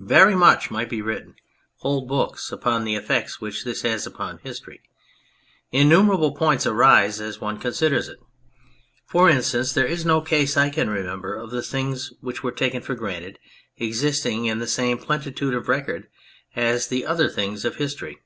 Very much might be written whole books upon the effects which this has upon history. Innumer able points arise as one considers it. For instance, there is no case I can remember of the things which were taken for granted existing in the same pleni tude of record as the other things of history.